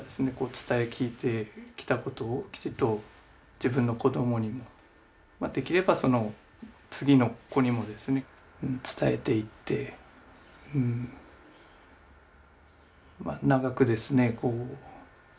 伝え聞いてきたことをきちっと自分の子どもにもできればその次の子にもですね伝えていってうん長くですね